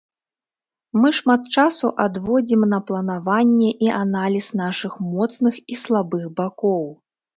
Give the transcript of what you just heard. Мы шмат часу адводзім на планаванне і аналіз нашых моцных і слабых бакоў.